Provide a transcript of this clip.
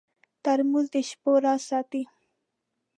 ترموز د شپو راز ساتي.